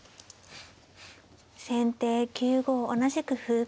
先手９五同じく歩。